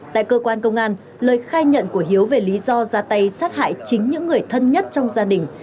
tại cơ quan công an lời khai nhận của hiếu về lý do ra tay sát hại chính những người thân nhất trong gia đình